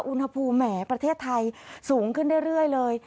อุณหภูมิแหมประเทศไทยสูงขึ้นเรื่อยเลย